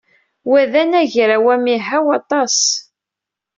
Wa d anagraw amihaw aṭas.